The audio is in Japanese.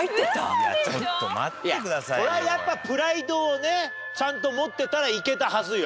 いやこれはやっぱプライドをねちゃんと持ってたらいけたはずよ。